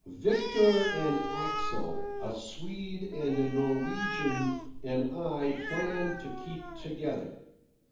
Victor and Axel, a Swede and a Norwegian, and I planned to keep together.